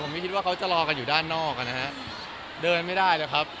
ไม่คิดว่าเขาจะรอกันอยู่ด้านนอกอ่ะนะฮะเดินไม่ได้เลยครับ